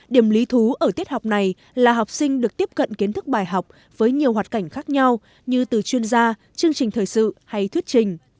điểm lý thú ở tiết học này là học sinh được tiếp cận kiến thức bài học với nhiều hoạt cảnh khác nhau như từ chuyên gia chương trình thời sự hay thuyết trình